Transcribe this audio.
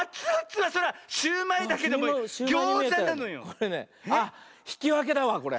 これねあっひきわけだわこれ。